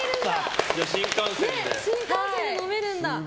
新幹線で飲めるんだ。